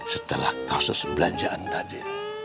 setelah kaosnya sebelanjaan tadi